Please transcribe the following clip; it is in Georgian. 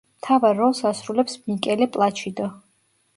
მთავარ როლს ასრულებს მიკელე პლაჩიდო.